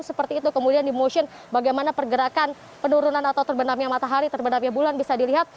seperti itu kemudian di motion bagaimana pergerakan penurunan atau terbenamnya matahari terbenamnya bulan bisa dilihat